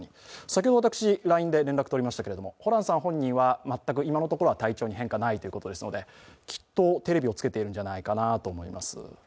先ほど私、ＬＩＮＥで連絡とりましたけれども、ホランさん本人は今のところ隊長に変化はないということですので、きっとテレビをつけているんじゃないかと思います。